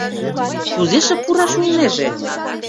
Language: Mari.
Кузе шып пураш улнеже?